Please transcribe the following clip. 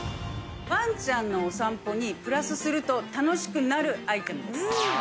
ワンちゃんのお散歩にプラスすると楽しくなるアイテムです。